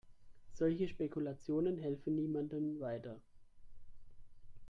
Solche Spekulationen helfen niemandem weiter.